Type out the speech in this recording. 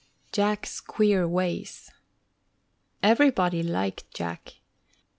_ JACK'S QUEER WAYS Everybody liked Jack.